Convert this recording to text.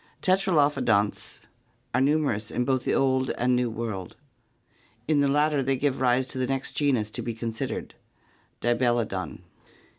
Tetralophodonts are numerous in both the Old and New World. In the latter they give rise to the next genus to be considered, Dibelodon.